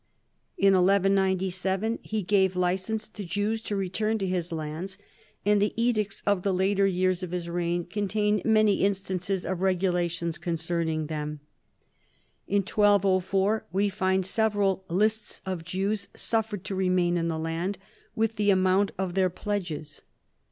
In 1197 he gave license to Jews to return to his lands, and the edicts of the later years of his reign contain many instances of regulations con cerning them. In 1204 we find several lists of Jews suffered to remain in the land, with the amount of their pledges.